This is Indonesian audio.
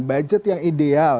budget yang ideal